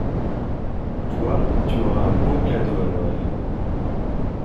Toi, tu auras un beau cadeau à Noël.